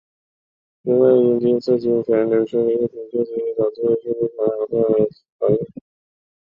因为阴茎射精前流出的液体就足以造成性病传染或怀孕。